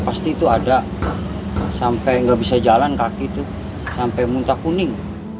pasti itu ada sampai nggak bisa jalan kaki itu sampai muntah kuning